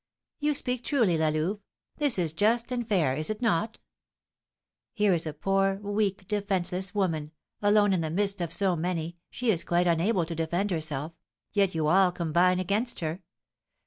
You speak truly, La Louve, this is just and fair, is it not? Here is a poor, weak, defenceless woman; alone in the midst of so many, she is quite unable to defend herself, yet you all combine against her!